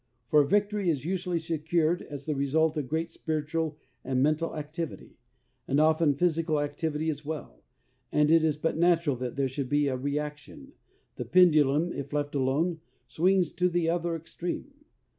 For victory is usually secured as the result of great spiritual and mental activity, and often physical activity as well, and it is but natural that there should be a reaction; the pendulum, if left alone, swings to the other extreme.